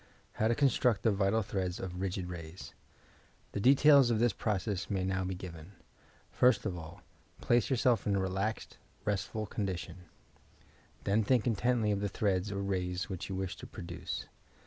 HOW TO CONSTRUCT THE VITAL THREADS OB "bIOID SATS" The details of this process may now be given. First of all, place yourself in a relaxed, restful condition. f PHYSICAL PHENOMENA 331 Then think intently of the threads or rays which you wish to produce.